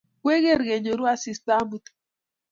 Kwegeer kenyoru asista amut?